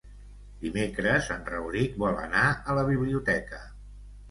Dimecres en Rauric vol anar a la biblioteca.